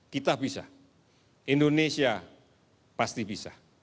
kita bisa indonesia pasti bisa